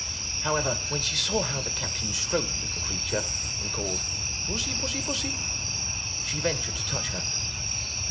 However, when she saw how the captain stroked the little creature, and called 'Tussy, pussy, pussy!" she ventured to touch her.